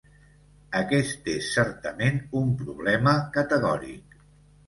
Aquest és certament un problema categòric.